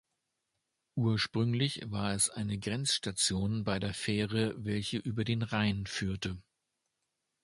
Ursprünglich war es eine Grenzstation bei der Fähre welche über den Rhein führte.